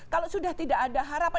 kalau sudah tidak ada harapan